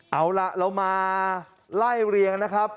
เอาล่ะเรามาไล่เรียงนะครับ